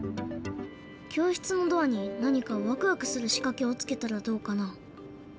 教室のドアに何かワクワクするしかけをつけたらどうかな？